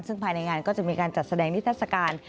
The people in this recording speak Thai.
ซึ่งภายในงานก็จะมีการจัดแสดงนิทัศกาล